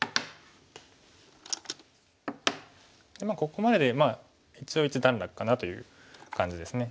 ここまでで一応一段落かなという感じです。